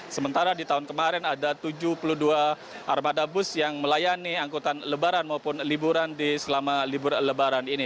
sementara di tahun kemarin ada tujuh puluh dua armada bus yang melayani angkutan lebaran maupun liburan di selama libur lebaran ini